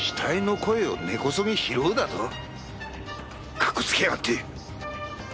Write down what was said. かっこつけやがって。